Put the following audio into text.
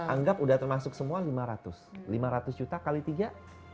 anggap udah termasuk semua lima ratus lima ratus juta kali tiga